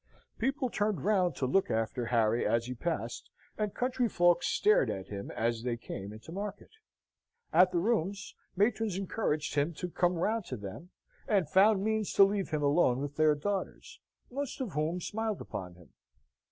People turned round to look after Harry as he passed, and country folks stared at him as they came into market. At the rooms, matrons encouraged him to come round to them, and found means to leave him alone with their daughters, most of whom smiled upon him.